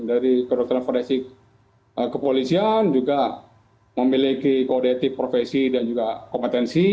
dari kedokteran forensik kepolisian juga memiliki kode etik profesi dan juga kompetensi